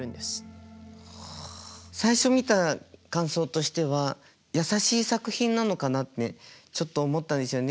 最初見た感想としては優しい作品なのかなってちょっと思ったんですよね。